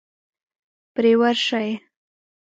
پرې ورشئ.